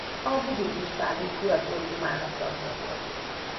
A Bubik István-díj kuratóriumának tagja volt.